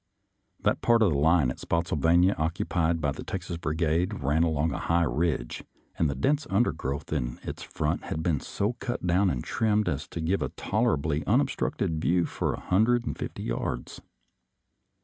That part of the line at Spottsylvania oc cupied by the Texas Brigade ran along a high ridge, and the dense undergrowth in its front had been so cut down and trimmed as to give a tolerably unobstructed view for a hundred and fifty yards.